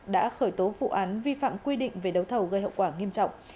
đã khởi tố vụ án vi phạm quy định về đấu thầu gây hậu quả nghiêm trọng